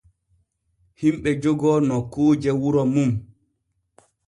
Himɓe jogoo nokkuuje wuro mum.